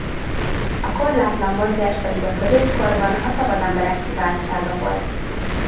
A korlátlan mozgás pedig a középkorban a szabad emberek kiváltsága volt.